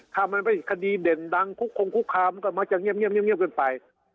ถ้ามันเป็นคดีเด่นดังคุกคงคุกคามก็มักจะเงียบเกินไป